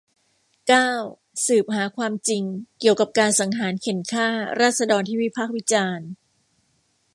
เก้า สืบหาความจริงเกี่ยวกับการสังหารเข่นฆ่าราษฎรที่วิพากษ์วิจารณ์